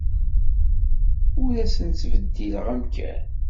Ur asen-ttbeddileɣ amkan.